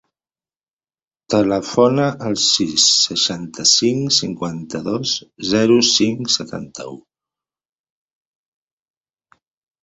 Telefona al sis, seixanta-cinc, cinquanta-dos, zero, cinc, setanta-u.